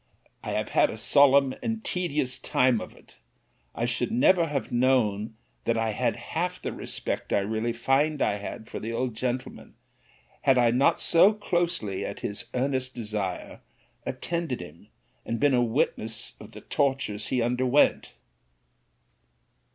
I have had a solemn and tedious time of it. I should never have known that I had half the respect I really find I had for the old gentleman, had I not so closely, at his earnest desire, attended him, and been a witness of the tortures he underwent.